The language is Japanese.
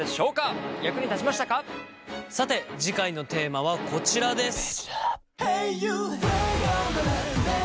さて次回のテーマはこちらです。